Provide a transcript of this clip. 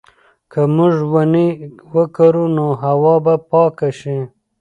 که موږ ونې وکرو نو هوا به پاکه شي.